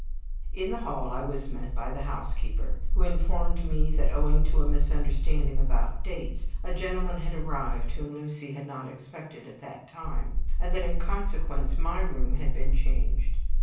III In the hall I was met by the housekeeper, who informed me that, owing to a misunderstanding about dates, a gentleman had arrived whom Lucy had not expected at that time, and that in consequence my room had been changed.